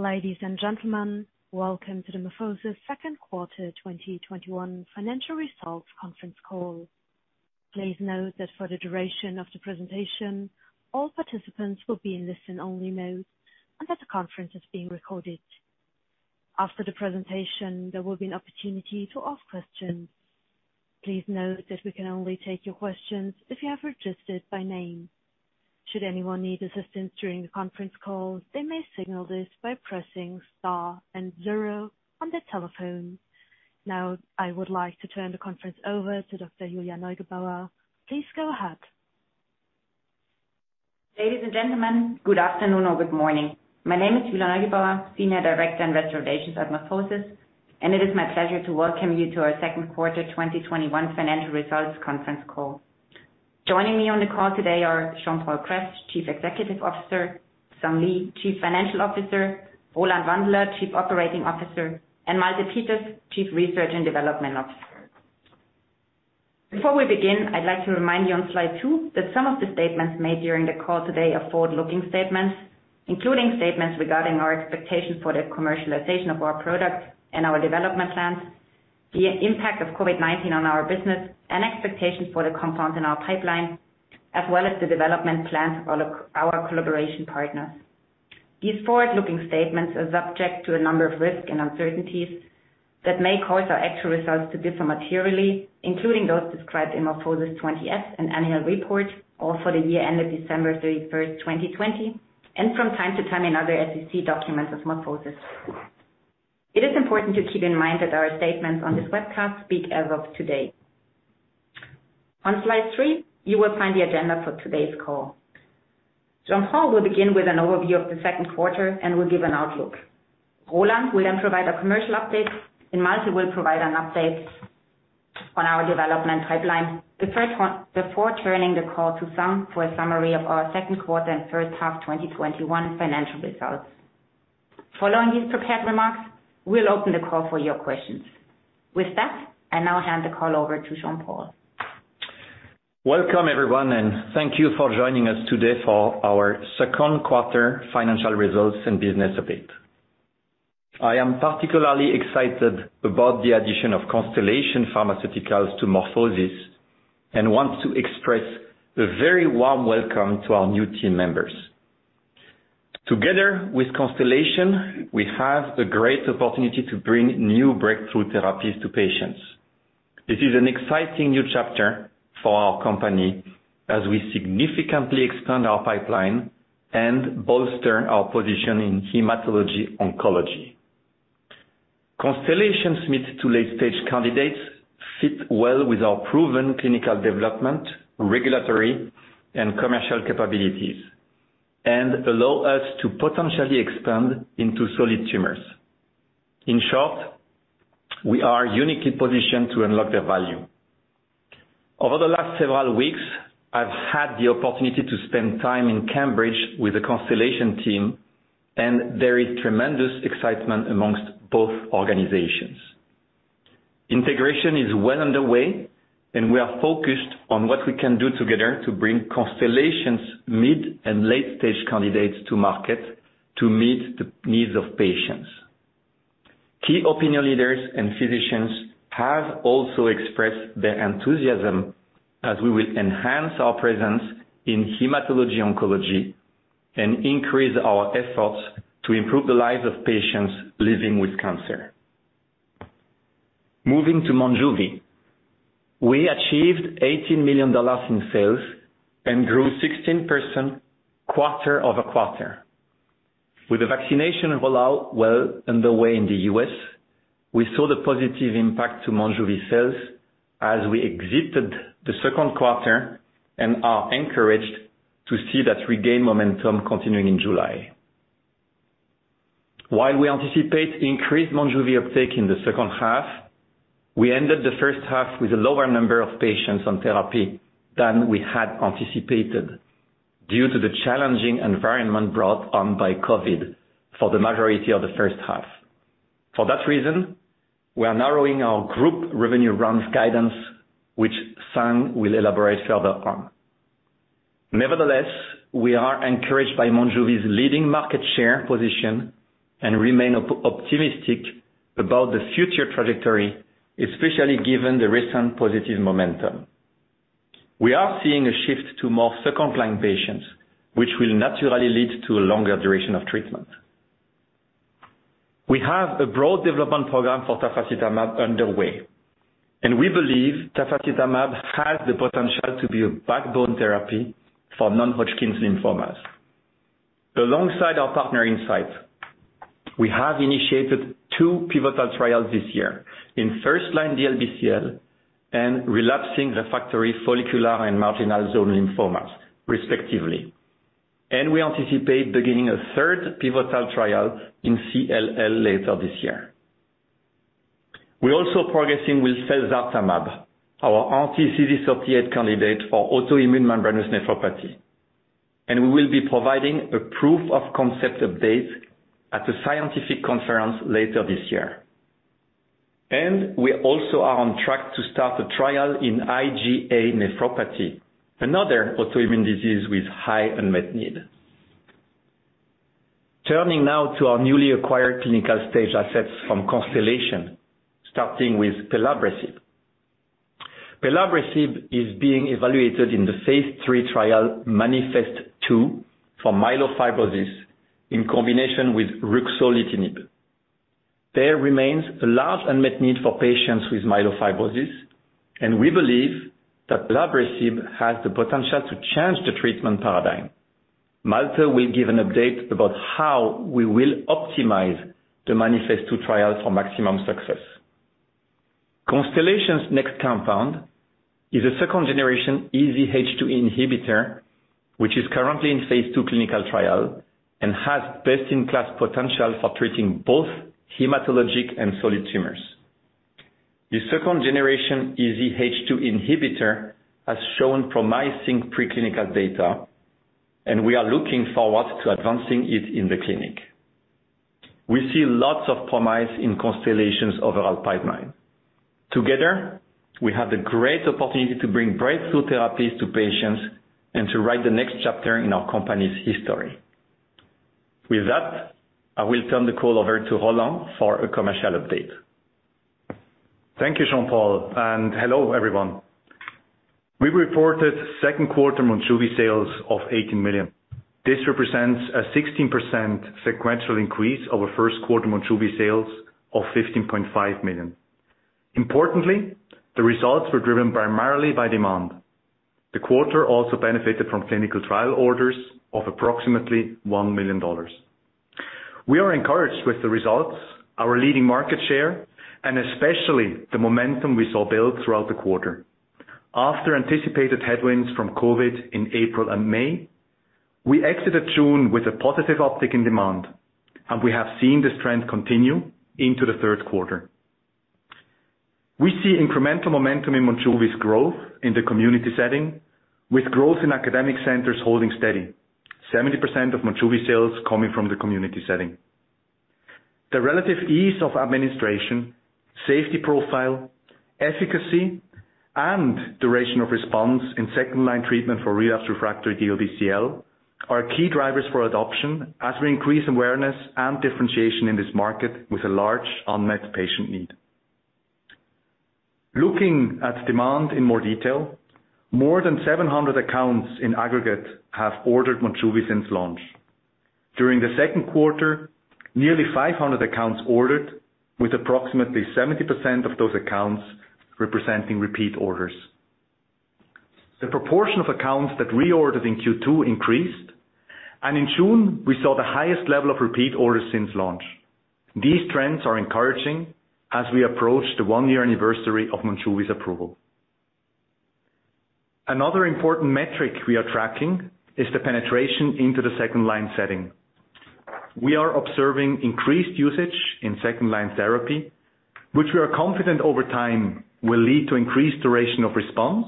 Ladies and gentlemen, Welcome to the MorphoSys second quarter 2021 financial results conference call. Please note that for the duration of the presentation, all participants will be in listen-only mode, and that the conference is being recorded. After the presentation, there will be an opportunity to ask questions. Please note that we can only take your questions if you have registered by name. Should anyone need assistance during the conference call, they may signal this by pressing star and zero on their telephone. Now, I would like to turn the conference over to Dr. Julia Neugebauer. Please go ahead. Ladies and gentlemen, good afternoon or good morning. My name is Julia Neugebauer, Senior Director and Investor Relations at MorphoSys, and it is my pleasure to welcome you to our second quarter 2021 financial results conference call. Joining me on the call today are Jean-Paul Kress, Chief Executive Officer, Sung Lee, Chief Financial Officer, Roland Wandeler, Chief Operating Officer, and Malte Peters, Chief Research and Development Officer. Before we begin, I'd like to remind you on slide 2 that some of the statements made during the call today are forward-looking statements, including statements regarding our expectations for the commercialization of our products and our development plans, the impact of COVID-19 on our business and expectations for the compounds in our pipeline, as well as the development plans of our collaboration partners. These forward-looking statements are subject to a number of risks and uncertainties that may cause our actual results to differ materially, including those described in MorphoSys' Form 20-F and annual report for the year ended December 31st, 2020, and from time to time in other SEC documents of MorphoSys. It is important to keep in mind that our statements on this webcast speak as of today. On slide three, you will find the agenda for today's call. Jean-Paul will begin with an overview of the second quarter and will give an outlook. Roland will then provide a commercial update, and Malte will provide an update on our development pipeline before turning the call to Sung for a summary of our second quarter and first half 2021 financial results. Following these prepared remarks, we'll open the call for your questions. With that, I now hand the call over to Jean-Paul. Welcome, everyone, and thank you for joining us today for our second quarter financial results and business update. I am particularly excited about the addition of Constellation Pharmaceuticals to MorphoSys and want to express a very warm welcome to our new team members. Together with Constellation, we have the great opportunity to bring new breakthrough therapies to patients. This is an exciting new chapter for our company as we significantly expand our pipeline and bolster our position in hematology oncology. Constellation's mid- to late-stage candidates fit well with our proven clinical development, regulatory, and commercial capabilities, and allow us to potentially expand into solid tumors. In short, we are uniquely positioned to unlock the value. Over the last several weeks, I've had the opportunity to spend time in Cambridge with the Constellation team, and there is tremendous excitement amongst both organizations. Integration is well underway and we are focused on what we can do together to bring Constellation's mid and late-stage candidates to market to meet the needs of patients. Key opinion leaders and physicians have also expressed their enthusiasm as we will enhance our presence in hematology oncology and increase our efforts to improve the lives of patients living with cancer. Moving to MONJUVI. We achieved EUR 18 million in sales and grew 16% quarter-over-quarter. With the vaccination rollout well underway in the U.S., we saw the positive impact to MONJUVI sales as we exited the second quarter and are encouraged to see that regained momentum continuing in July. While we anticipate increased MONJUVI uptake in the second half, we ended the first half with a lower number of patients on therapy than we had anticipated due to the challenging environment brought on by COVID for the majority of the first half. For that reason, we are narrowing our group revenue range guidance, which Sung will elaborate further on. Nevertheless, we are encouraged by MONJUVI's leading market share position and remain optimistic about the future trajectory, especially given the recent positive momentum. We are seeing a shift to more second-line patients, which will naturally lead to a longer duration of treatment. We have a broad development program for tafasitamab underway, and we believe tafasitamab has the potential to be a backbone therapy for non-Hodgkin's lymphoma. Alongside our partner, Incyte, we have initiated two pivotal trials this year in first-line DLBCL and relapsing refractory follicular and marginal zone lymphoma, respectively. We anticipate beginning a third pivotal trial in CLL later this year. We're also progressing with felzartamab, our anti-CD38 candidate for autoimmune membranous nephropathy, and we will be providing a proof of concept update at a scientific conference later this year. We also are on track to start a trial in IgA Nephropathy, another autoimmune disease with high unmet need. Turning now to our newly acquired clinical-stage assets from Constellation, starting with pelabresib. Pelabresib is being evaluated in the phase III trial, MANIFEST-2, for myelofibrosis in combination with ruxolitinib. There remains a large unmet need for patients with myelofibrosis, and we believe that pelabresib has the potential to change the treatment paradigm. Malte will give an update about how we will optimize the MANIFEST-2 trial for maximum success. Constellation's next compound is a second-generation EZH2 inhibitor, which is currently in phase II clinical trial and has best-in-class potential for treating both hematologic and solid tumors. The second-generation EZH2 inhibitor has shown promising preclinical data, we are looking forward to advancing it in the clinic. We see lots of promise in Constellation's overall pipeline. Together, we have the great opportunity to bring breakthrough therapies to patients and to write the next chapter in our company's history. With that, I will turn the call over to Roland for a commercial update. Thank you, Jean-Paul, and hello, everyone. We reported second quarter MONJUVI sales of 18 million. This represents a 16% sequential increase over first quarter MONJUVI sales of 15.5 million. The results were driven primarily by demand. The quarter also benefited from clinical trial orders of approximately $1 million. We are encouraged with the results, our leading market share, and especially the momentum we saw build throughout the quarter. After anticipated headwinds from COVID in April and May, we exited June with a positive uptick in demand, and we have seen this trend continue into the third quarter. We see incremental momentum in MONJUVI's growth in the community setting, with growth in academic centers holding steady. 70% of MONJUVI sales coming from the community setting. The relative ease of administration, safety profile, efficacy, and duration of response in second-line treatment for relapse refractory DLBCL are key drivers for adoption as we increase awareness and differentiation in this market with a large unmet patient need. Looking at demand in more detail, more than 700 accounts in aggregate have ordered MONJUVI since launch. During the second quarter, nearly 500 accounts ordered, with approximately 70% of those accounts representing repeat orders. The proportion of accounts that reordered in Q2 increased, and in June, we saw the highest level of repeat orders since launch. These trends are encouraging as we approach the one-year anniversary of MONJUVI's approval. Another important metric we are tracking is the penetration into the second line setting. We are observing increased usage in second-line therapy, which we are confident over time will lead to increased duration of response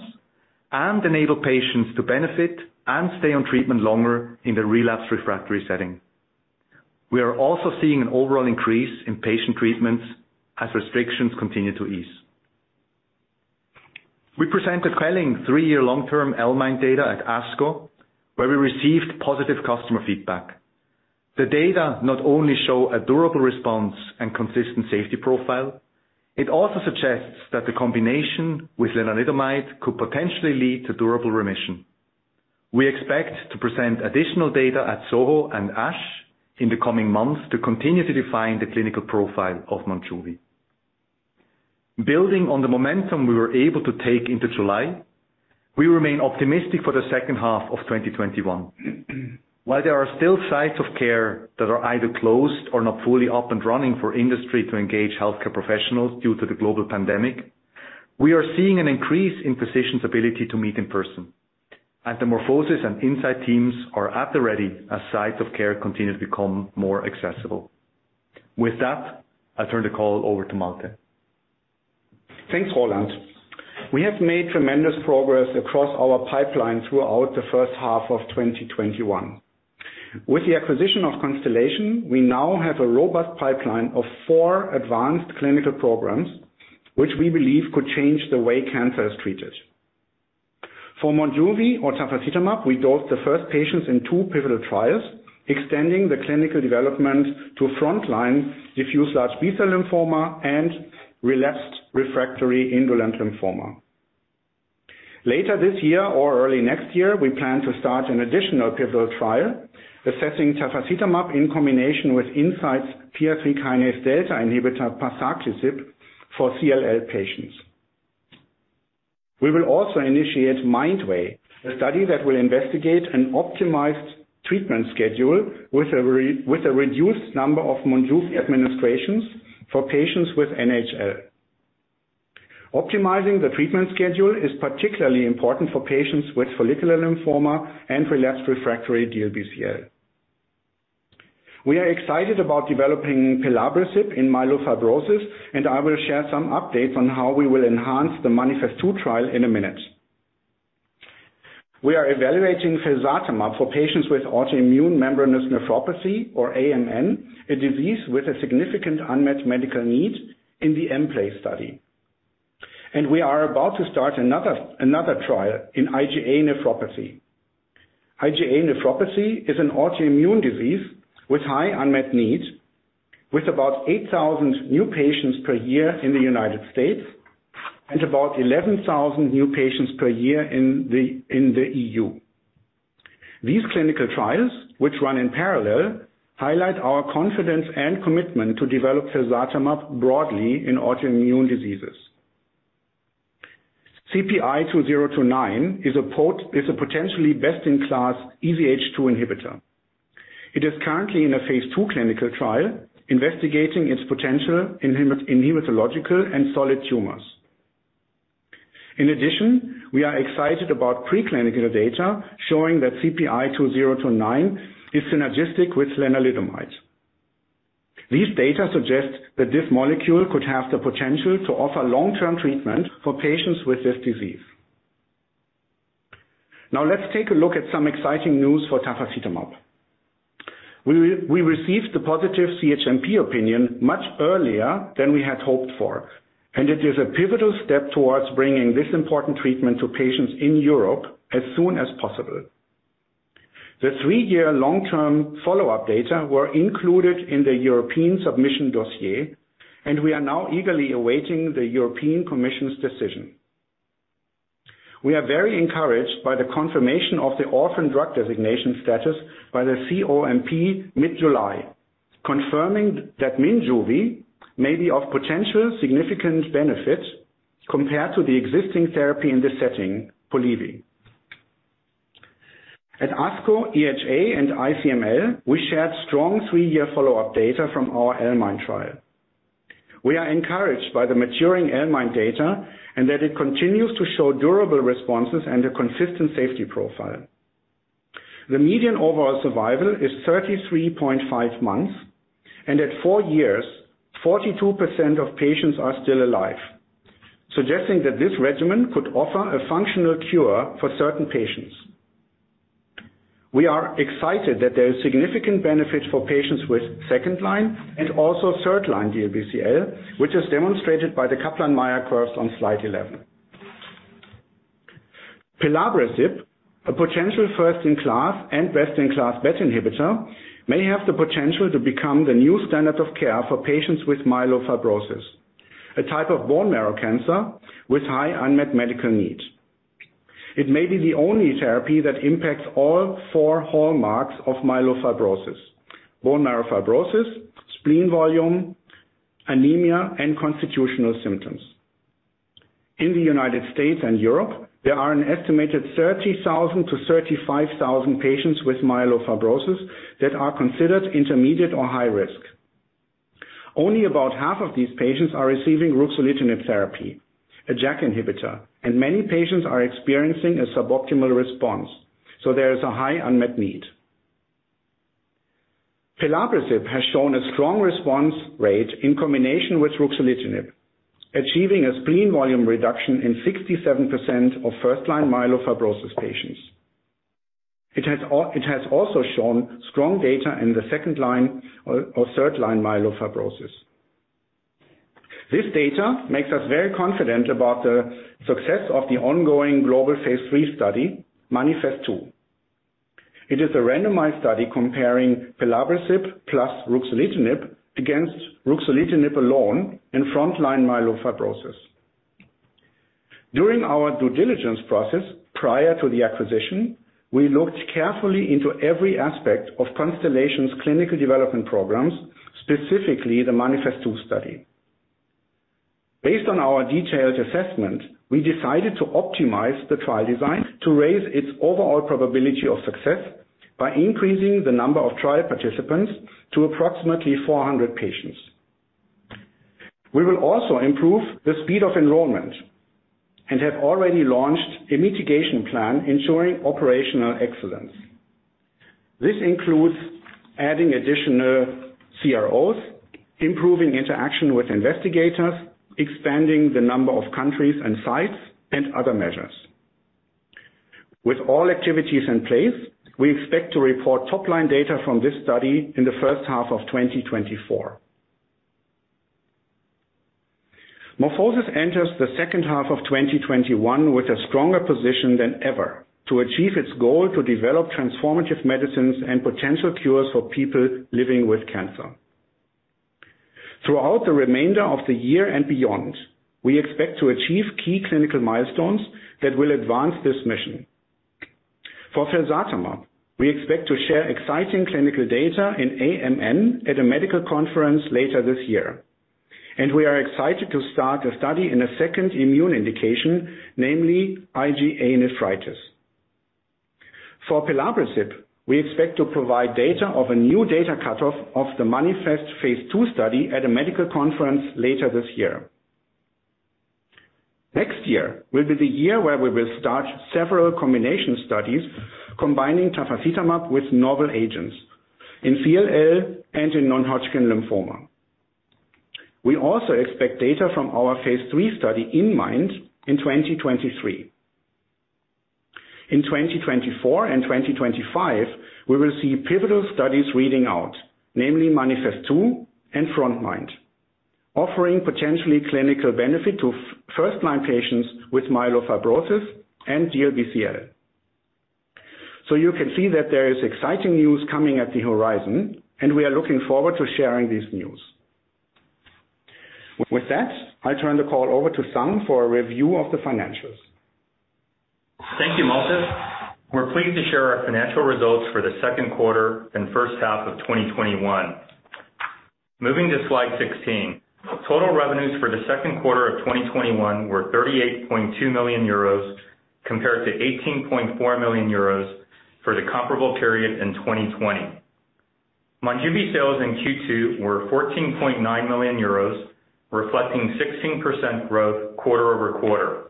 and enable patients to benefit and stay on treatment longer in the relapse refractory setting. We are also seeing an overall increase in patient treatments as restrictions continue to ease. We presented compelling three-year long-term L-MIND data at ASCO, where we received positive customer feedback. The data not only show a durable response and consistent safety profile, it also suggests that the combination with lenalidomide could potentially lead to durable remission. We expect to present additional data at SOHO and ASH in the coming months to continue to define the clinical profile of MONJUVI. Building on the momentum we were able to take into July, we remain optimistic for the second half of 2021. While there are still sites of care that are either closed or not fully up and running for industry to engage healthcare professionals due to the global pandemic, we are seeing an increase in physicians' ability to meet in person. The MorphoSys and Incyte teams are at the ready as sites of care continue to become more accessible. With that, I turn the call over to Malte. Thanks, Roland. We have made tremendous progress across our pipeline throughout the first half of 2021. With the acquisition of Constellation, we now have a robust pipeline of four advanced clinical programs, which we believe could change the way cancer is treated. For MONJUVI or tafasitamab, we dosed the first patients in two pivotal trials, extending the clinical development to frontline diffuse large B-cell lymphoma and relapsed refractory indolent lymphoma. Later this year or early next year, we plan to start an additional pivotal trial assessing tafasitamab in combination with Incyte's PI3K delta inhibitor, parsaclisib for CLL patients. We will also initiate MINDway, a study that will investigate an optimized treatment schedule with a reduced number of MONJUVI administrations for patients with NHL. Optimizing the treatment schedule is particularly important for patients with follicular lymphoma and relapsed refractory DLBCL. We are excited about developing pelabresib in myelofibrosis, and I will share some updates on how we will enhance the MANIFEST-2 trial in a minute. We are evaluating felzartamab for patients with autoimmune membranous nephropathy, or AMN, a disease with a significant unmet medical need in the M-PLACE study. We are about to start another trial in IgA nephropathy. IgA nephropathy is an autoimmune disease with high unmet need, with about 8,000 new patients per year in the United States, and about 11,000 new patients per year in the EU. These clinical trials, which run in parallel, highlight our confidence and commitment to develop felzartamab broadly in autoimmune diseases. CPI-0209 is a potentially best-in-class EZH2 inhibitor. It is currently in a phase II clinical trial investigating its potential in hematological and solid tumors. In addition, we are excited about pre-clinical data showing that CPI-0209 is synergistic with lenalidomide. These data suggest that this molecule could have the potential to offer long-term treatment for patients with this disease. Now let's take a look at some exciting news for tafasitamab. We received the positive CHMP opinion much earlier than we had hoped for, and it is a pivotal step towards bringing this important treatment to patients in Europe as soon as possible. The three-year long-term follow-up data were included in the European submission dossier, and we are now eagerly awaiting the European Commission's decision. We are very encouraged by the confirmation of the orphan drug designation status by the COMP mid-July, confirming that MONJUVI may be of potential significant benefit compared to the existing therapy in this setting, lerixafor. At ASCO, EHA, and ICML, we shared strong three-year follow-up data from our L-MIND trial. We are encouraged by the maturing L-MIND data and that it continues to show durable responses and a consistent safety profile. The median overall survival is 33.5 months, and at four years, 42% of patients are still alive, suggesting that this regimen could offer a functional cure for certain patients. We are excited that there is significant benefits for patients with second-line and also third-line DLBCL, which is demonstrated by the Kaplan-Meier curves on slide 11. Pelabresib, a potential first-in-class and best-in-class BET inhibitor, may have the potential to become the new standard of care for patients with myelofibrosis, a type of bone marrow cancer with high unmet medical need. It may be the only therapy that impacts all four hallmarks of myelofibrosis: bone marrow fibrosis, spleen volume, anemia, and constitutional symptoms. In the U.S. and Europe, there are an estimated 30,000-35,000 patients with myelofibrosis that are considered intermediate or high risk. Only about half of these patients are receiving ruxolitinib therapy, a JAK inhibitor, and many patients are experiencing a suboptimal response, so there is a high unmet need. Pelabresib has shown a strong response rate in combination with ruxolitinib, achieving a spleen volume reduction in 67% of first-line myelofibrosis patients. It has also shown strong data in the second-line or third-line myelofibrosis. This data makes us very confident about the success of the ongoing global phase III study, MANIFEST-2. It is a randomized study comparing pelabresib plus ruxolitinib against ruxolitinib alone in frontline myelofibrosis. During our due diligence process, prior to the acquisition, we looked carefully into every aspect of Constellation's clinical development programs, specifically the MANIFEST-2 study. Based on our detailed assessment, we decided to optimize the trial design to raise its overall probability of success by increasing the number of trial participants to approximately 400 patients. We will also improve the speed of enrollment and have already launched a mitigation plan ensuring operational excellence. This includes adding additional CROs, improving interaction with investigators, expanding the number of countries and sites, and other measures. With all activities in place, we expect to report top-line data from this study in the first half of 2024. MorphoSys enters the second half of 2021 with a stronger position than ever to achieve its goal to develop transformative medicines and potential cures for people living with cancer. Throughout the remainder of the year and beyond, we expect to achieve key clinical milestones that will advance this mission. For felzartamab, we expect to share exciting clinical data in AMN at a medical conference later this year, and we are excited to start a study in a second immune indication, namely IgA Nephropathy. For pelabresib, we expect to provide data of a new data cutoff of the MANIFEST phase II study at a medical conference later this year. Next year will be the year where we will start several combination studies combining tafasitamab with novel agents in CLL and in non-Hodgkin lymphoma. We also expect data from our phase III study in frontMIND in 2023. In 2024 and 2025, we will see pivotal studies reading out, namely MANIFEST-2 and frontMIND, offering potentially clinical benefit to first-line patients with myelofibrosis and DLBCL. You can see that there is exciting news coming at the horizon, and we are looking forward to sharing this news. With that, I turn the call over to Sung for a review of the financials. Thank you, Malte. We're pleased to share our financial results for the second quarter and first half of 2021. Moving to slide 16. Total revenues for the second quarter of 2021 were 38.2 million euros compared to 18.4 million euros for the comparable period in 2020. MONJUVI sales in Q2 were 14.9 million euros, reflecting 16% growth quarter-over-quarter.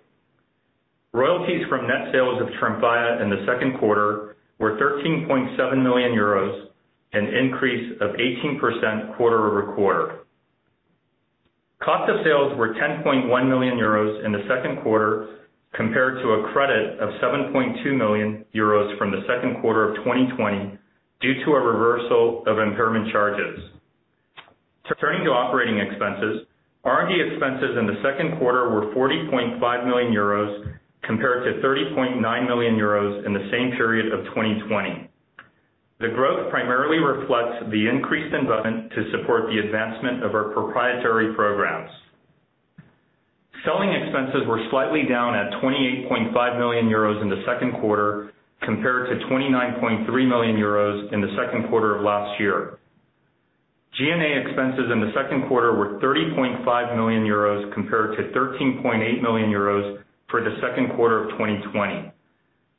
Royalties from net sales of Tremfya in the second quarter were 13.7 million euros, an increase of 18% quarter-over-quarter. Cost of sales were 10.1 million euros in the second quarter, compared to a credit of 7.2 million euros from the second quarter of 2020 due to a reversal of impairment charges. Turning to operating expenses, R&D expenses in the second quarter were 40.5 million euros, compared to 30.9 million euros in the same period of 2020. The growth primarily reflects the increased investment to support the advancement of our proprietary programs. Selling expenses were slightly down at 28.5 million euros in the second quarter, compared to 29.3 million euros in the second quarter of last year. G&A expenses in the second quarter were 30.5 million euros compared to 13.8 million euros for the second quarter of 2020.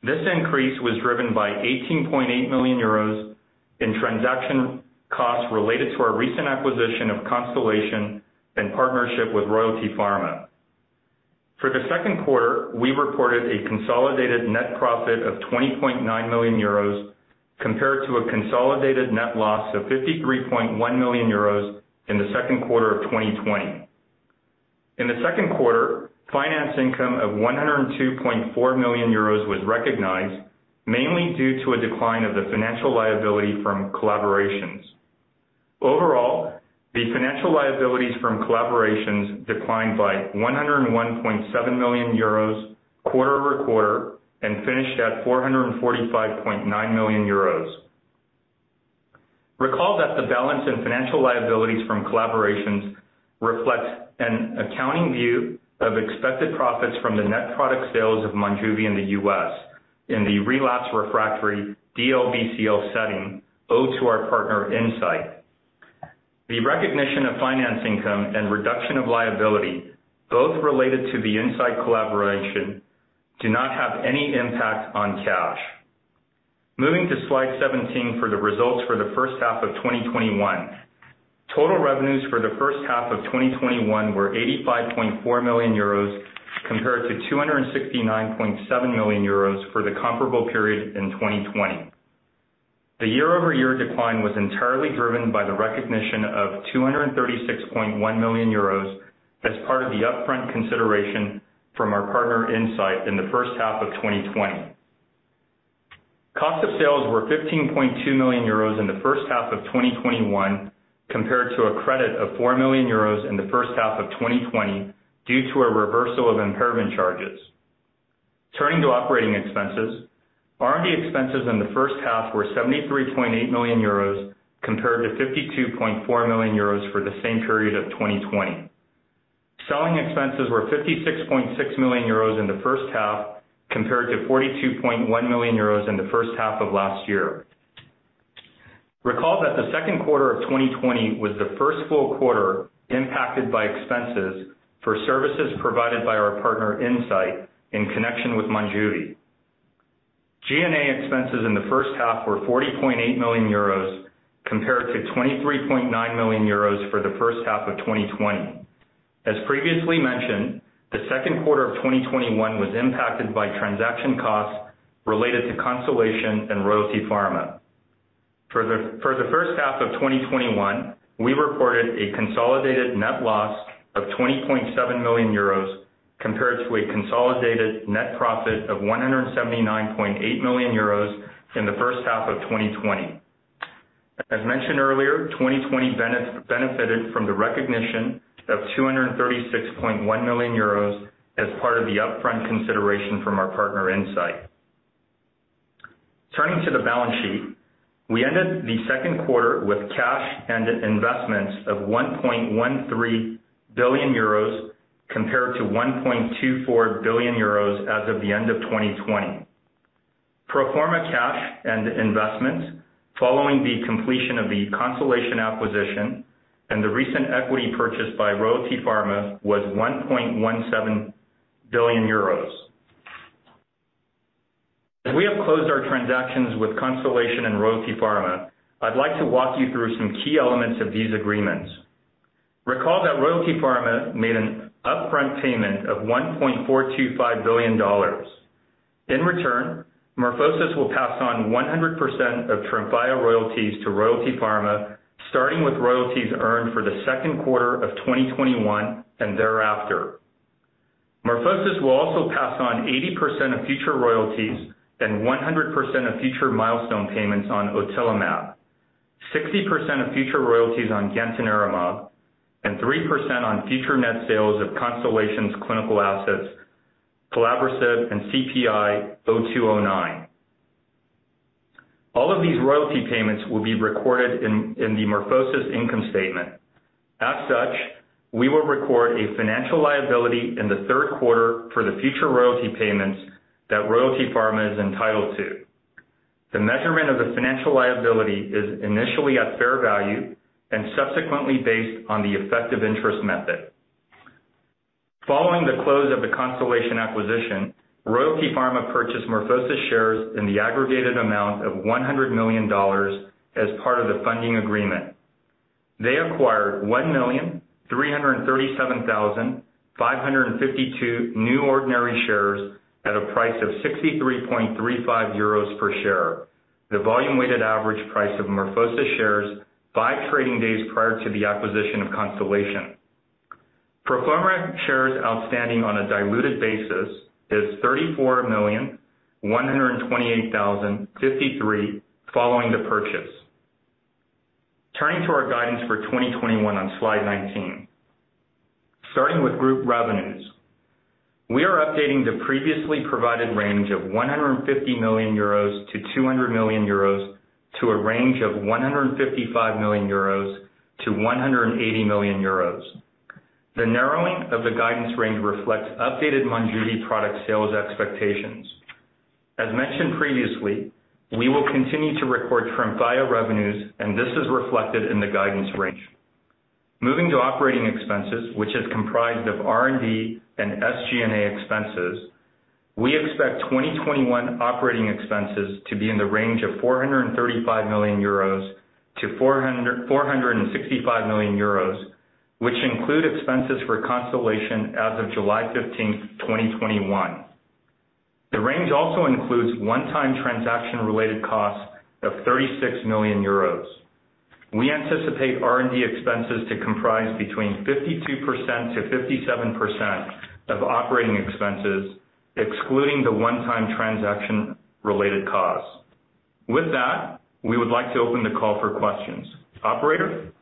This increase was driven by 18.8 million euros in transaction costs related to our recent acquisition of Constellation and partnership with Royalty Pharma. For the second quarter, we reported a consolidated net profit of 20.9 million euros compared to a consolidated net loss of 53.1 million euros in the second quarter of 2020. In the second quarter, finance income of 102.4 million euros was recognized, mainly due to a decline of the financial liability from collaborations. Overall, the financial liabilities from collaborations declined by 101.7 million euros quarter-over-quarter and finished at 445.9 million euros. Recall that the balance in financial liabilities from collaborations reflects an accounting view of expected profits from the net product sales of MONJUVI in the U.S. in the relapse refractory DLBCL setting owed to our partner Incyte. The recognition of finance income and reduction of liability, both related to the Incyte collaboration, do not have any impact on cash. Moving to slide 17 for the results for the first half of 2021. Total revenues for the first half of 2021 were 85.4 million euros compared to 269.7 million euros for the comparable period in 2020. The year-over-year decline was entirely driven by the recognition of 236.1 million euros as part of the upfront consideration from our partner Incyte in the first half of 2020. Cost of sales were 15.2 million euros in the first half of 2021, compared to a credit of 4 million euros in the first half of 2020 due to a reversal of impairment charges. Turning to operating expenses, R&D expenses in the first half were 73.8 million euros compared to 52.4 million euros for the same period of 2020. Selling expenses were 56.6 million euros in the first half, compared to 42.1 million euros in the first half of last year. Recall that the second quarter of 2020 was the first full quarter impacted by expenses for services provided by our partner Incyte in connection with MONJUVI. G&A expenses in the first half were 40.8 million euros compared to 23.9 million euros for the first half of 2020. As previously mentioned, the second quarter of 2021 was impacted by transaction costs related to Constellation and Royalty Pharma. For the first half of 2021, we reported a consolidated net loss of 20.7 million euros compared to a consolidated net profit of 179.8 million euros in the first half of 2020. As mentioned earlier, 2020 benefited from the recognition of 236.1 million euros as part of the upfront consideration from our partner Incyte. Turning to the balance sheet. We ended the second quarter with cash and investments of 1.13 billion euros compared to 1.24 billion euros as of the end of 2020. Pro forma cash and investments following the completion of the Constellation acquisition and the recent equity purchase by Royalty Pharma was 1.17 billion euros. We have closed our transactions with Constellation and Royalty Pharma, I'd like to walk you through some key elements of these agreements. Recall that Royalty Pharma made an upfront payment of $1.425 billion. MorphoSys will pass on 100% of Tremfya royalties to Royalty Pharma, starting with royalties earned for the second quarter of 2021 and thereafter. MorphoSys will also pass on 80% of future royalties and 100% of future milestone payments on otilimab, 60% of future royalties on gantenerumab, and 3% on future net sales of Constellation's clinical assets, pelabresib and CPI-0209. All of these royalty payments will be recorded in the MorphoSys income statement. We will record a financial liability in the third quarter for the future royalty payments that Royalty Pharma is entitled to. The measurement of the financial liability is initially at fair value, and subsequently based on the effective interest method. Following the close of the Constellation acquisition, Royalty Pharma purchased MorphoSys shares in the aggregated amount of $100 million as part of the funding agreement. They acquired 1,337,552 new ordinary shares at a price of 63.35 euros per share. The volume-weighted average price of MorphoSys shares five trading days prior to the acquisition of Constellation. Pro forma shares outstanding on a diluted basis is 34,128,053 following the purchase. Turning to our guidance for 2021 on slide 19. Starting with group revenues, we are updating the previously provided range of 150 million euros to 200 million euros to a range of 155 million euros to 180 million euros. The narrowing of the guidance range reflects updated MONJUVI product sales expectations. As mentioned previously, we will continue to record Tremfya revenues, and this is reflected in the guidance range. Moving to operating expenses, which is comprised of R&D and SG&A expenses, we expect 2021 operating expenses to be in the range of 435 million-465 million euros, which include expenses for Constellation as of July 15th, 2021. The range also includes one-time transaction-related costs of 36 million euros. We anticipate R&D expenses to comprise between 52%-57% of operating expenses, excluding the one-time transaction-related costs. With that, we would like to open the call for questions. Operator?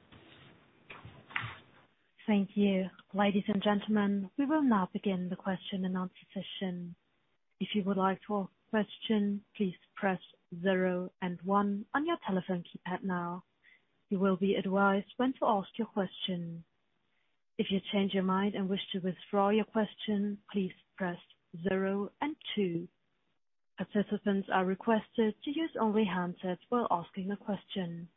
Thank you. Ladies and gentlemen, we will now begin the question and answer session. If you would like to ask a question, please press zero and one on your telephone keypad now. You will be advised when to ask your question. If you change your mind and wish to withdraw your question, please press zero and two. Participants are requested to use only handsets while asking a question.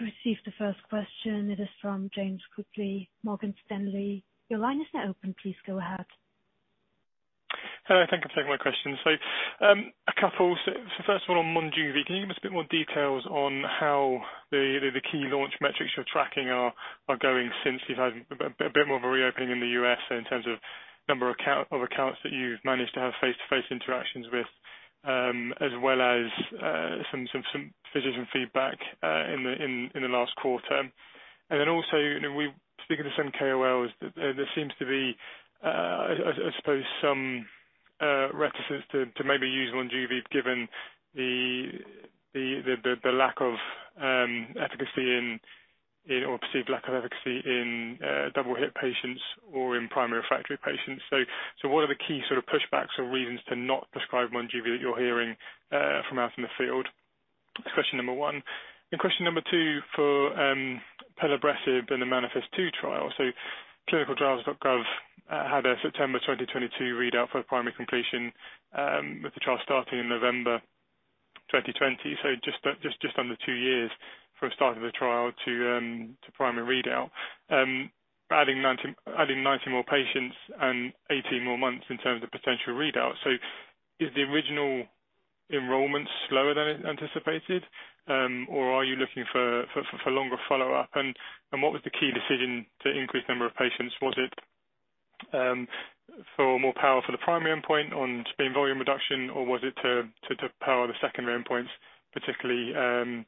We've received the first question. It is from James Quigley, Morgan Stanley. Your line is now open. Please go ahead. Hello. Thank you for taking my question. A couple. First of all, on MONJUVI, can you give us a bit more details on how the key launch metrics you're tracking are going since you've had a bit more of a reopening in the U.S. in terms of number of accounts that you've managed to have face-to-face interactions with, as well as some physician feedback in the last quarter. Also, speaking to some KOLs, there seems to be, I suppose, some reticence to maybe use MONJUVI, given the lack of efficacy or perceived lack of efficacy in double-hit patients or in primary refractory patients. What are the key sort of pushbacks or reasons to not prescribe MONJUVI that you're hearing from out in the field? That's question number one. Question number two, for pelabresib in the MANIFEST-2 trial. ClinicalTrials.gov had a September 2022 readout for the primary completion, with the trial starting in November 2020. Just under two years from start of the trial to primary readout. Adding 90 more patients and 18 more months in terms of potential readout. Is the original enrollment slower than anticipated? Are you looking for longer follow-up? What was the key decision to increase number of patients? Was it for more power for the primary endpoint on spleen volume reduction, or was it to power the secondary endpoints, particularly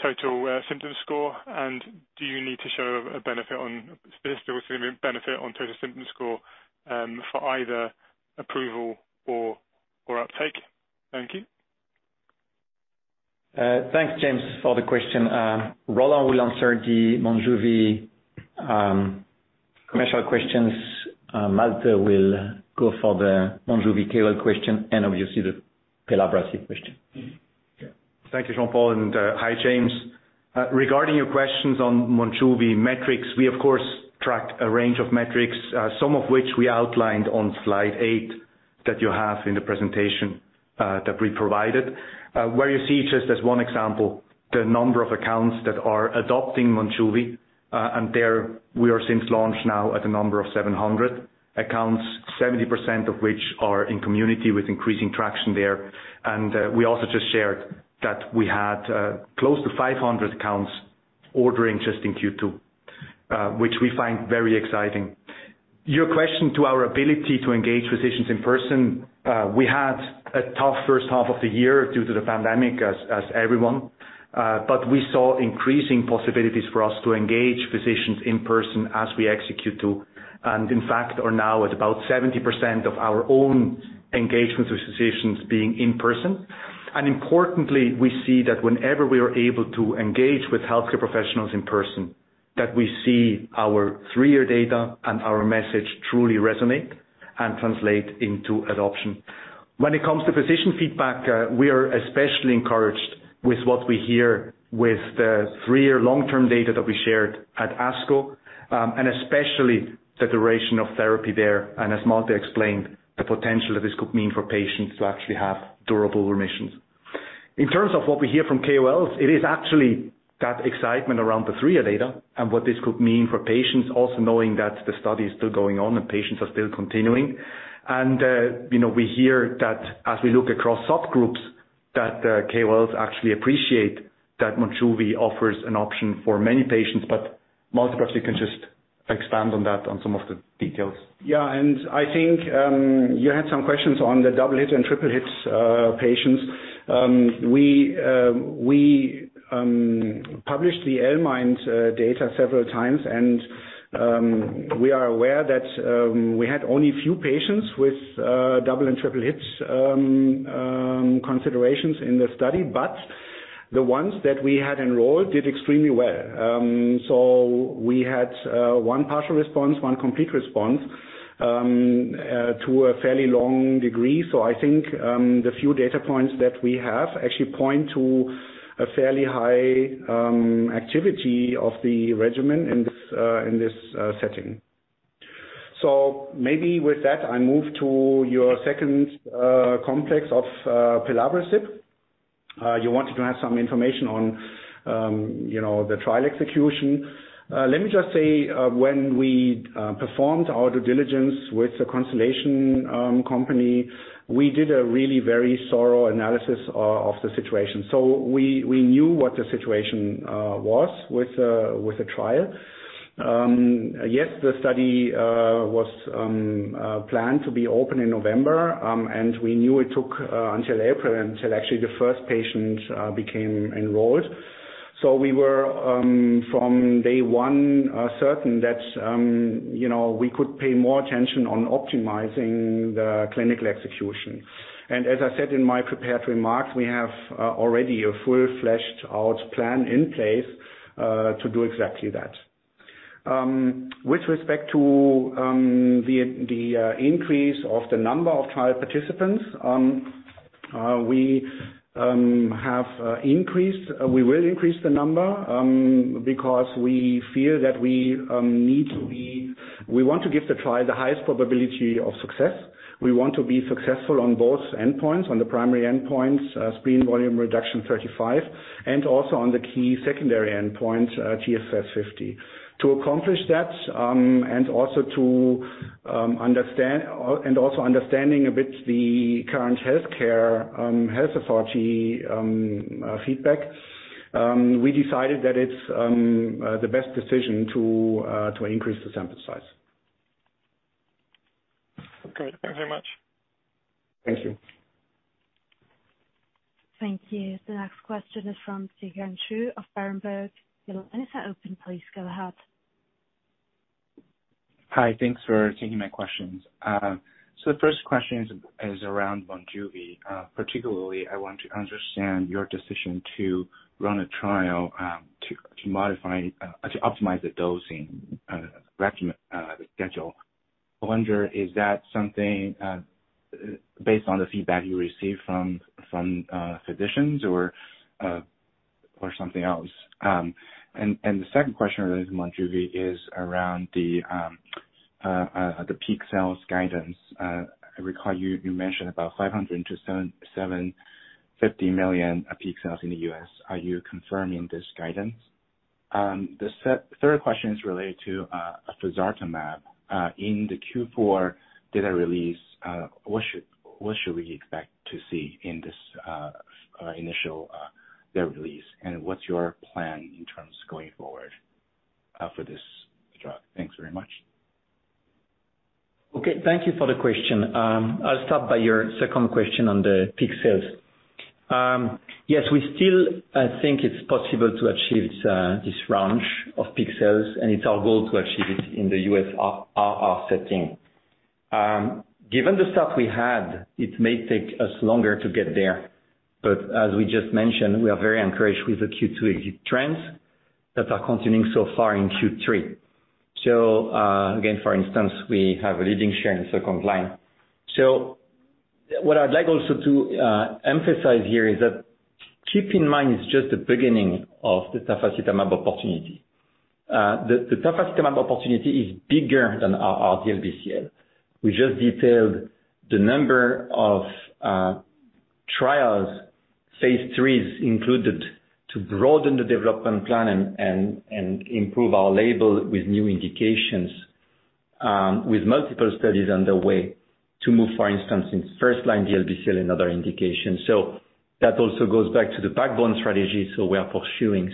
Total Symptom Score? Do you need to show a benefit on Total Symptom Score for either approval or uptake? Thank you. Thanks, James, for the question. Roland will answer the MONJUVI commercial questions. Malte will go for the MONJUVI KOL question and obviously the pelabresib question. Thank you, Jean-Paul, and hi, James. Regarding your questions on MONJUVI metrics, we of course tracked a range of metrics, some of which we outlined on slide 8 that you have in the presentation that we provided, where you see, just as one example, the number of accounts that are adopting MONJUVI. There, we are since launch now at a number of 700 accounts, 70% of which are in community with increasing traction there. We also just shared that we had close to 500 accounts ordering just in Q2, which we find very exciting. Your question to our ability to engage physicians in person, we had a tough first half of the year due to the pandemic, as everyone. We saw increasing possibilities for us to engage physicians in person as we execute too, and in fact, are now at about 70% of our own engagements with physicians being in person. Importantly, we see that whenever we are able to engage with healthcare professionals in person, that we see our three-year data and our message truly resonate and translate into adoption. When it comes to physician feedback, we are especially encouraged with what we hear with the three-year long-term data that we shared at ASCO, and especially the duration of therapy there, and as Malte explained, the potential that this could mean for patients to actually have durable remissions. In terms of what we hear from KOLs, it is actually that excitement around the three-year data and what this could mean for patients, also knowing that the study is still going on and patients are still continuing. We hear that as we look across subgroups, that KOLs actually appreciate that MONJUVI offers an option for many patients. Malte, perhaps you can just expand on that on some of the details. I think you had some questions on the double-hit and triple-hits patients. We published the L-MIND data several times, and we are aware that we had only a few patients with double and triple hits considerations in the study. The ones that we had enrolled did extremely well. We had one partial response, one complete response to a fairly long degree. I think, the few data points that we have actually point to a fairly high activity of the regimen in this setting. Maybe with that, I move to your second complex of pelabresib. You wanted to have some information on the trial execution. Let me just say, when we performed our due diligence with Constellation Pharmaceuticals, we did a really very thorough analysis of the situation. We knew what the situation was with the trial. Yes, the study was planned to be open in November, and we knew it took until April, until actually the first patient became enrolled. We were, from day one, certain that we could pay more attention on optimizing the clinical execution. As I said in my prepared remarks, we have already a full fleshed-out plan in place to do exactly that. With respect to the increase of the number of trial participants, we will increase the number because we feel that we want to give the trial the highest probability of success. We want to be successful on both endpoints, on the primary endpoints, spleen volume reduction 35%, and also on the key secondary endpoint, TSS50. To accomplish that, and also understanding a bit the current healthcare, health authority feedback, we decided that it's the best decision to increase the sample size. Great. Thank you very much. Thank you. Thank you. The next question is from Zhiqiang Shu. Your line is now open, please go ahead. Hi. Thanks for taking my questions. The first question is around MONJUVI. Particularly, I want to understand your decision to run a trial to optimize the dosing schedule. I wonder, is that something based on the feedback you received from physicians or something else? The second question related to MONJUVI is around the peak sales guidance. I recall you mentioned about $500 million-$750 million peak sales in the U.S. Are you confirming this guidance? The third question is related to felzartamab. In the Q4 data release, what should we expect to see in this initial data release, and what's your plan in terms of going forward for this drug? Thanks very much. Okay, thank you for the question. I'll start by your second question on the peak sales. Yes, we still think it's possible to achieve this range of peak sales, and it's our goal to achieve it in the U.S. RR setting. Given the start we had, it may take us longer to get there. As we just mentioned, we are very encouraged with the Q2 exit trends that are continuing so far in Q3. Again, for instance, we have a leading share in the second line. What I'd like also to emphasize here is that, keep in mind, it's just the beginning of the tafasitamab opportunity. The tafasitamab opportunity is bigger than our DLBCL. We just detailed the number of trials, phase IIIs included, to broaden the development plan and improve our label with new indications, with multiple studies underway to move, for instance, in first-line DLBCL and other indications. That also goes back to the backbone strategy, so we are pursuing.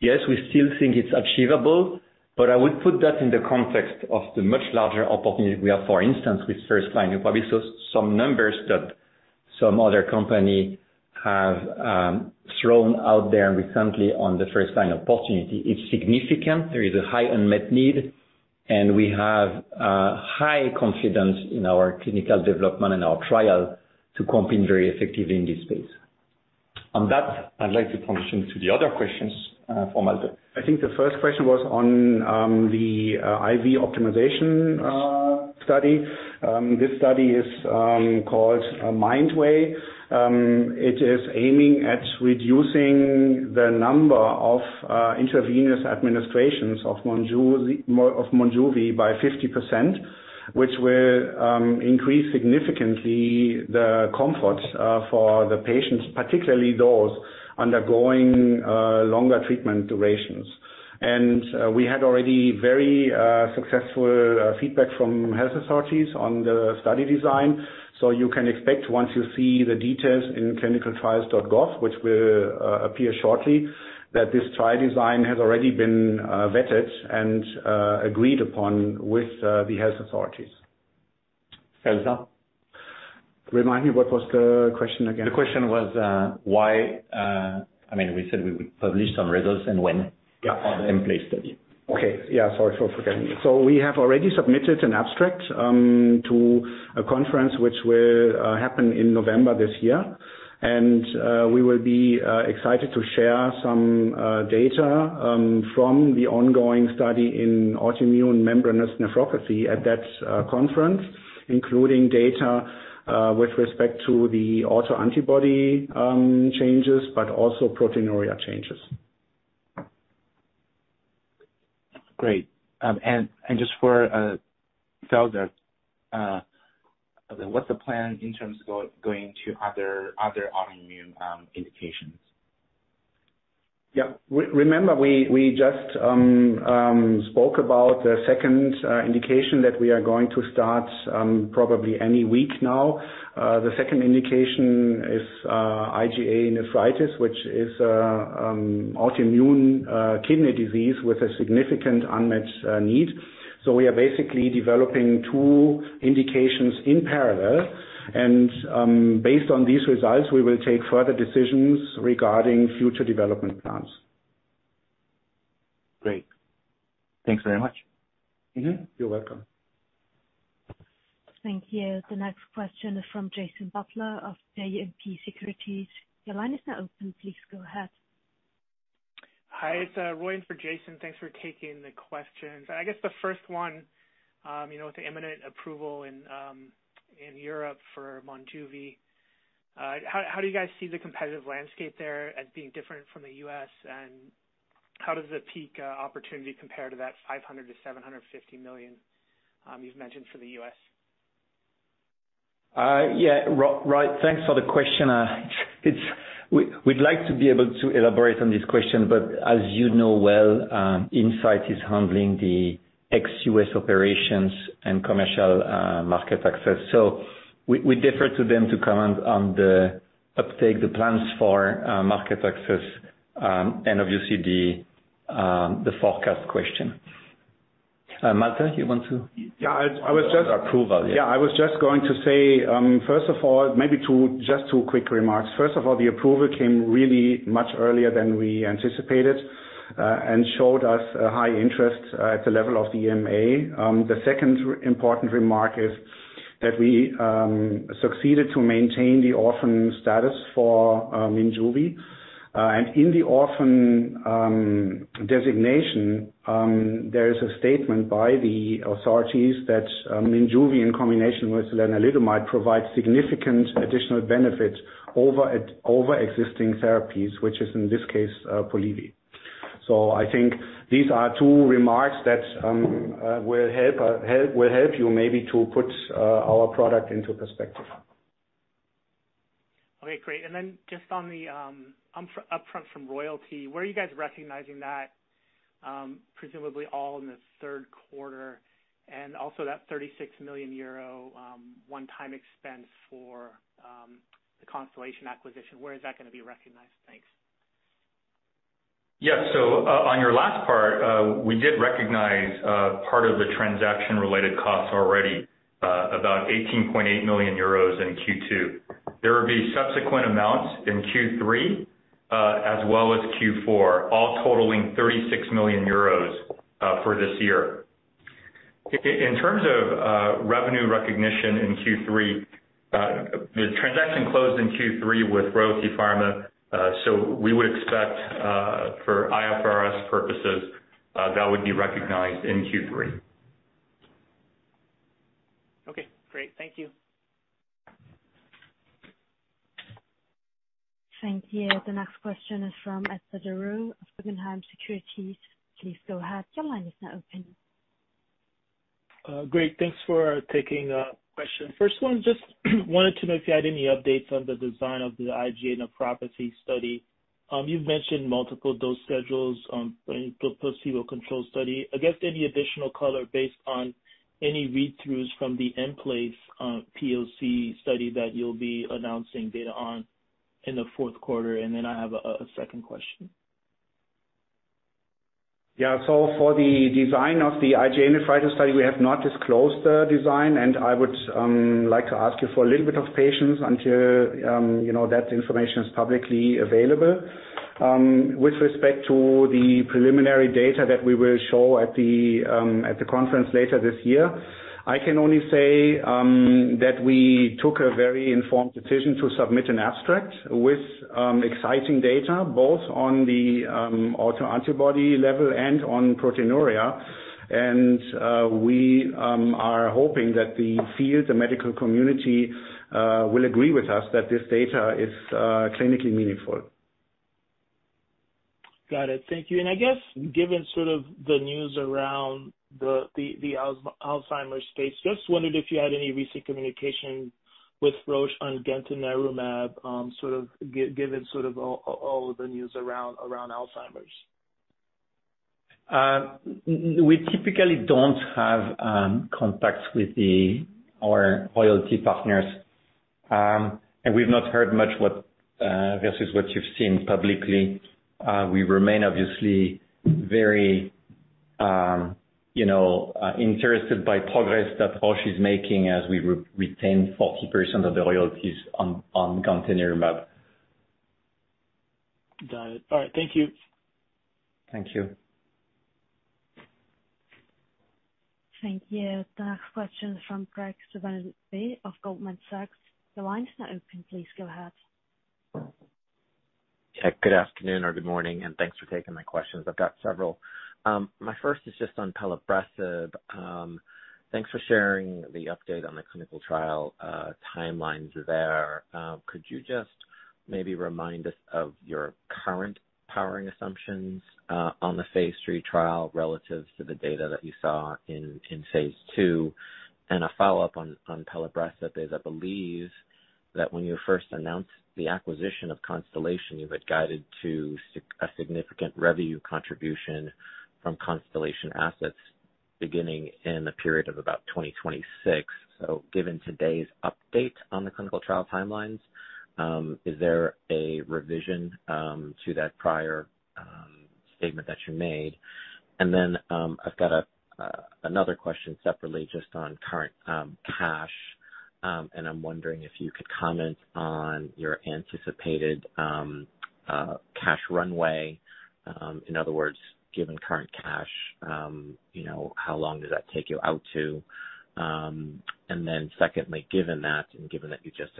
Yes, we still think it's achievable, but I would put that in the context of the much larger opportunity we have, for instance, with first-line. You probably saw some numbers that some other company have thrown out there recently on the first-line opportunity. It's significant. There is a high unmet need, and we have high confidence in our clinical development and our trial to compete very effectively in this space. On that, I'd like to transition to the other questions for Malte. I think the first question was on the IV optimization study. This study is called MINDway. It is aiming at reducing the number of intravenous administrations of MONJUVI by 50%, which will increase significantly the comfort for the patients, particularly those undergoing longer treatment durations. We had already very successful feedback from health authorities on the study design. You can expect, once you see the details in clinicaltrials.gov, which will appear shortly, that this trial design has already been vetted and agreed upon with the health authorities. Felza? Remind me, what was the question again? The question was, we said we would publish some results and when. Yeah. On the M-PLACE study. Okay. Yeah, sorry for forgetting. We have already submitted an abstract to a conference which will happen in November this year. We will be excited to share some data from the ongoing study in autoimmune membranous nephropathy at that conference, including data with respect to the autoantibody changes, but also proteinuria changes. Great. Just for Felza, what's the plan in terms of going to other autoimmune indications? Yeah. Remember, we just spoke about the second indication that we are going to start probably any week now. The second indication is IgA Nephropathy, which is autoimmune kidney disease with a significant unmet need. We are basically developing two indications in parallel. Based on these results, we will take further decisions regarding future development plans. Great. Thanks very much. Mm-hmm. You're welcome. Thank you. The next question is from Jason Butler of JMP Securities. Your line is now open. Please go ahead. Hi, it's Roy in for Jason. Thanks for taking the questions. I guess the first one, with the imminent approval in Europe for Monjuvi, how do you guys see the competitive landscape there as being different from the U.S., and how does the peak opportunity compare to that $500 million-$750 million you've mentioned for the U.S.? Yeah. Roy, thanks for the question. We'd like to be able to elaborate on this question, but as you know well, Incyte is handling the ex-US operations and commercial market access. We defer to them to comment on the uptake, the plans for market access, and obviously, the forecast question. Malte, Yeah, I was just- Approval, yeah. I was just going to say, first of all, maybe just two quick remarks. The approval came really much earlier than we anticipated and showed us a high interest at the level of the EMA. The second important remark is that we succeeded to maintain the orphan status for MONJUVI. In the orphan designation, there is a statement by the authorities that MONJUVI in combination with lenalidomide provides significant additional benefit over existing therapies, which is, in this case, Polivy. I think these are two remarks that will help you maybe to put our product into perspective. Okay, great. Just on the upfront from Royalty, where are you guys recognizing that? Presumably all in the third quarter, and also that 36 million euro one-time expense for the Constellation acquisition. Where is that going to be recognized? Thanks. Yeah. On your last part, we did recognize part of the transaction-related costs already, about 18.8 million euros in Q2. There will be subsequent amounts in Q3 as well as Q4, all totaling 36 million euros for this year. In terms of revenue recognition in Q3, the transaction closed in Q3 with Royalty Pharma. We would expect for IFRS purposes, that would be recognized in Q3. Okay, great. Thank you. Thank you. The next question is from Etzer Darout of Guggenheim Securities. Please go ahead. Your line is now open. Great. Thanks for taking the question. First one, just wanted to know if you had any updates on the design of the IgA Nephropathy study. You've mentioned multiple dose schedules in placebo-controlled study. I guess, any additional color based on any read-throughs from the M-PLACE POC study that you'll be announcing data on in the fourth quarter? I have a second question. Yeah. For the design of the IgA Nephropathy study, we have not disclosed the design, and I would like to ask you for a little bit of patience until that information is publicly available. With respect to the preliminary data that we will show at the conference later this year, I can only say that we took a very informed decision to submit an abstract with exciting data, both on the autoantibody level and on proteinuria. We are hoping that the field, the medical community, will agree with us that this data is clinically meaningful. Got it. Thank you. I guess, given sort of the news around the Alzheimer's space, just wondered if you had any recent communication with Roche on gantenerumab, given sort of all the news around Alzheimer's. We typically don't have contacts with our royalty partners. We've not heard much versus what you've seen publicly. We remain obviously very interested by progress that Roche is making as we retain 40% of the royalties on gantenerumab. Got it. All right. Thank you. Thank you. Thank you. The next question from Graig Suvannavejh of Goldman Sachs. Your line is now open. Please go ahead. Yeah. Good afternoon or good morning, and thanks for taking my questions. I've got several. My first is just on pelabresib. Thanks for sharing the update on the clinical trial timelines there. Could you just maybe remind us of your current powering assumptions on the phase III trial relative to the data that you saw in phase II? A follow-up on pelabresib is, I believe that when you first announced the acquisition of Constellation, you had guided to a significant revenue contribution from Constellation assets beginning in the period of about 2026. Given today's update on the clinical trial timelines, is there a revision to that prior statement that you made? I've got another question separately just on current cash. I'm wondering if you could comment on your anticipated cash runway. In other words, given current cash, how long does that take you out to? Secondly, given that you just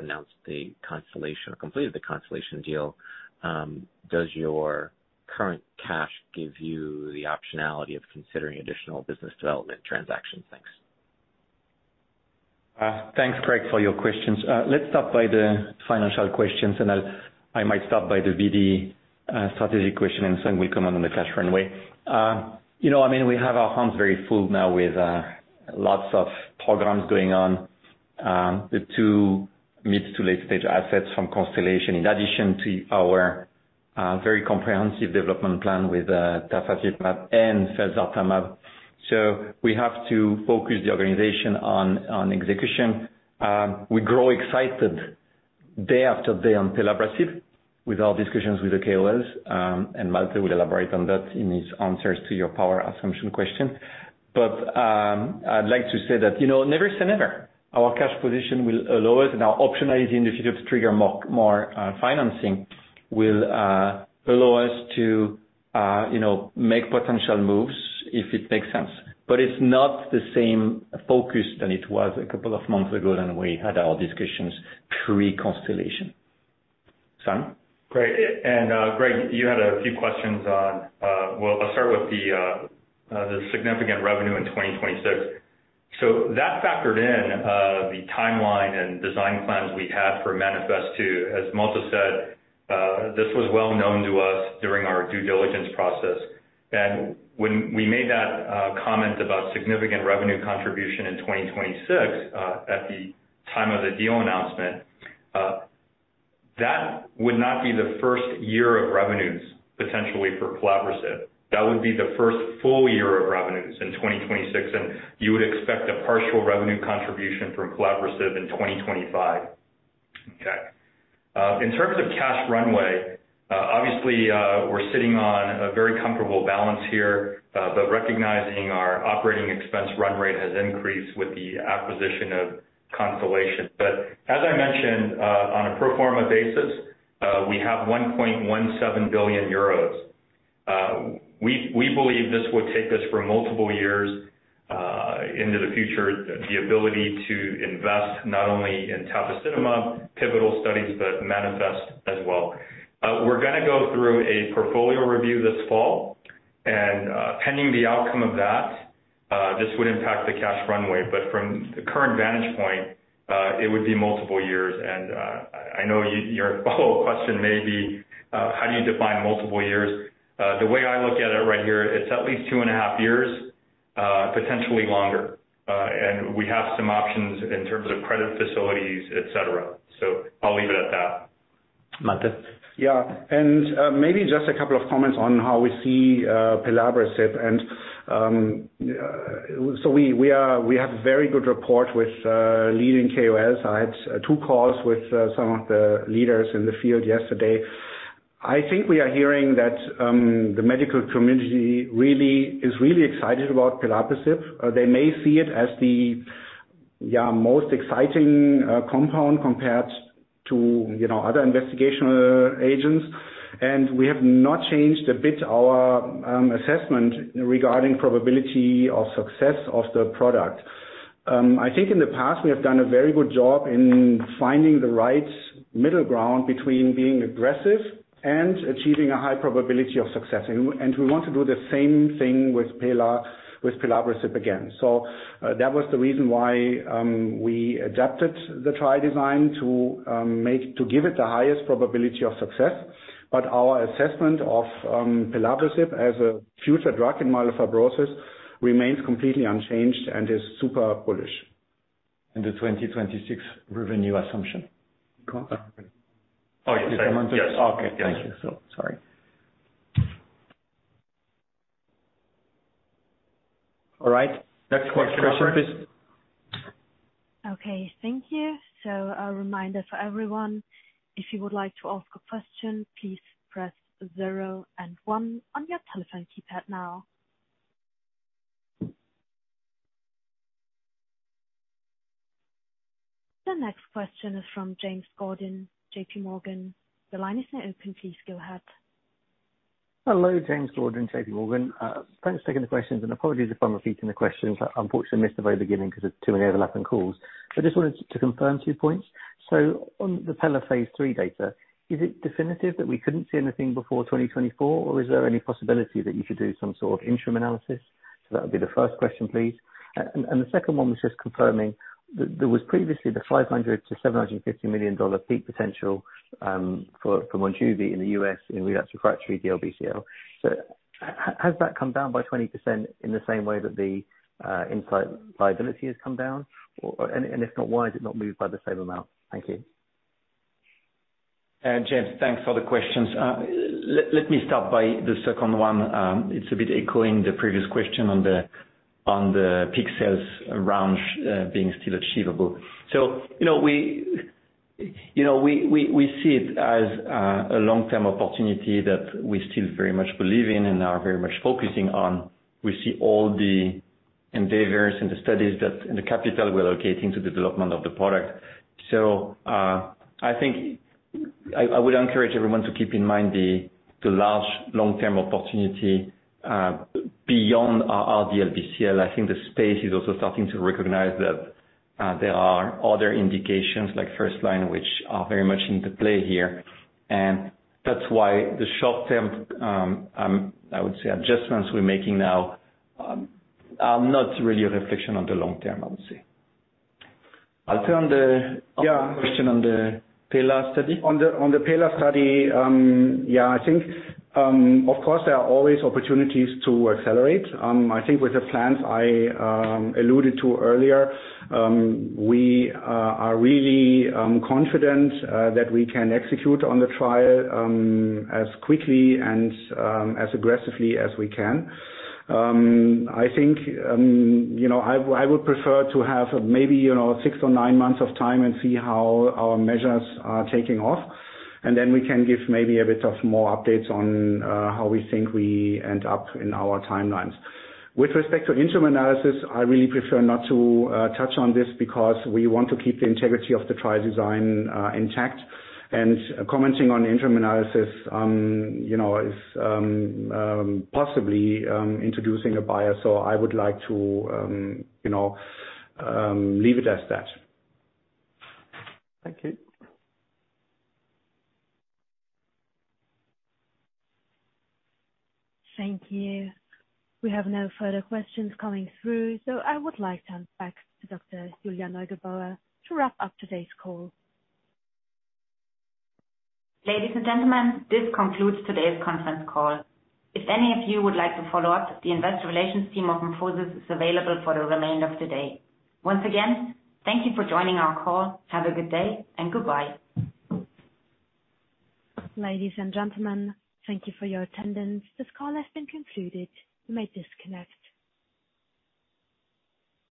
completed the Constellation deal, does your current cash give you the optionality of considering additional business development transactions? Thanks. Thanks, Graig, for your questions. Let's start by the financial questions. I might start by the BD strategic question. We'll come on to the cash runway. We have our hands very full now with lots of programs going on, the two mid- to late-stage assets from Constellation, in addition to our very comprehensive development plan with tafasitamab and felzartamab. We have to focus the organization on execution. We grow excited day after day on pelabresib with our discussions with the KOLs. Malte will elaborate on that in his answers to your power assumption question. I'd like to say that never say never. Our cash position will allow us. Our optionality in the future to trigger more financing will allow us to make potential moves if it makes sense. It's not the same focus that it was a couple of months ago when we had our discussions pre-Constellation. Sung? Great. Graig, you had a few questions on Well, I'll start with the significant revenue in 2026. That factored in the timeline and design plans we had for MANIFEST-2. As Malte said, this was well known to us during our due diligence process. When we made that comment about significant revenue contribution in 2026, at the time of the deal announcement, that would not be the first year of revenues, potentially, for pelabresib. That would be the first full year of revenues in 2026, and you would expect a partial revenue contribution from pelabresib in 2025. Okay. In terms of cash runway, obviously, we're sitting on a very comfortable balance here, but recognizing our operating expense run rate has increased with the acquisition of Constellation. As I mentioned, on a pro forma basis, we have 1.17 billion euros. We believe this will take us for multiple years into the future, the ability to invest not only in tafasitamab pivotal studies, but MANIFEST as well. We're going to go through a portfolio review this fall, and pending the outcome of that, this would impact the cash runway, but from the current vantage point, it would be multiple years. I know your follow-up question may be how do you define multiple years? The way I look at it right here, it's at least two and a half years, potentially longer. We have some options in terms of credit facilities, et cetera. I'll leave it at that. Malte. Yeah. Maybe just a couple of comments on how we see pelabresib. We have very good rapport with leading KOLs. I had two calls with some of the leaders in the field yesterday. I think we are hearing that the medical community is really excited about pelabresib. They may see it as the most exciting compound compared to other investigational agents. We have not changed a bit our assessment regarding probability of success of the product. I think in the past, we have done a very good job in finding the right middle ground between being aggressive and achieving a high probability of success. We want to do the same thing with pelabresib again. That was the reason why we adapted the trial design to give it the highest probability of success. Our assessment of pelabresib as a future drug in myelofibrosis remains completely unchanged and is super bullish. The 2026 revenue assumption. Oh, yes. Okay. Thank you. Sorry. All right. Next question. Next question, please. Okay, thank you. A reminder for everyone, if you would like to ask a question, please press zero and one on your telephone keypad now. The next question is from James Gordon, JPMorgan. The line is now open. Please go ahead. Hello, James Gordon, JPMorgan. Thanks for taking the questions and apologies if I'm repeating the questions. I unfortunately missed the very beginning because of too many overlapping calls. I just wanted to confirm two points. On the PELA phase III data, is it definitive that we couldn't see anything before 2024, or is there any possibility that you should do some sort of interim analysis? That would be the first question, please. The second one was just confirming that there was previously the $500 million-$750 million peak potential for MONJUVI in the U.S. in relapsed refractory DLBCL. Has that come down by 20% in the same way that the Incyte liability has come down? If not, why is it not moved by the same amount? Thank you. James, thanks for the questions. Let me start by the second one. It's a bit echoing the previous question on the peak sales range being still achievable. We see it as a long-term opportunity that we still very much believe in and are very much focusing on. We see all the endeavors and the studies and the capital we're allocating to development of the product. I think I would encourage everyone to keep in mind the large long-term opportunity beyond RR DLBCL. I think the space is also starting to recognize that there are other indications, like first line, which are very much into play here. That's why the short term, I would say, adjustments we're making now are not really a reflection on the long term, I would say. Yeah. Question on the PELA study. On the PELA study, yeah, I think, of course, there are always opportunities to accelerate. I think with the plans I alluded to earlier, we are really confident that we can execute on the trial as quickly and as aggressively as we can. I think I would prefer to have maybe six or nine months of time and see how our measures are taking off, then we can give maybe a bit of more updates on how we think we end up in our timelines. With respect to interim analysis, I really prefer not to touch on this because we want to keep the integrity of the trial design intact. Commenting on the interim analysis is possibly introducing a bias, I would like to leave it as that. Thank you. Thank you. We have no further questions coming through. I would like to hand back to Julia Neugebauer to wrap up today's call. Ladies and gentlemen, this concludes today's conference call. If any of you would like to follow up, the investor relations team of MorphoSys is available for the remainder of the day. Once again, thank you for joining our call. Have a good day and goodbye. Ladies and gentlemen, thank you for your attendance. This call has been concluded. You may disconnect.